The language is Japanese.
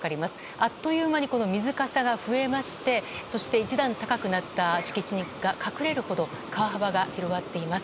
あっという間に水かさが増えましてそして一段高くなった敷地が隠れるほど川幅が広がっています。